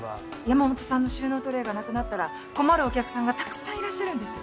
山本さんの収納トレーがなくなったら困るお客さんがたくさんいらっしゃるんです。